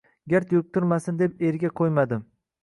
Gard yuqtirmasin deb erga qo`ymadim